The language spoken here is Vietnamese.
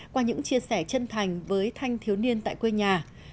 qua những chia sẻ chân thành với thanh thiếu niên tại quê nhà